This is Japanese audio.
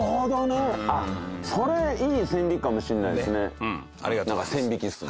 それいい線引きかもしれないですね。